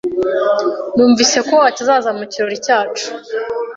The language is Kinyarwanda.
Numvise ko utazaza mu kirori cyacu.